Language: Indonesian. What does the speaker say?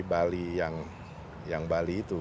bali yang bali itu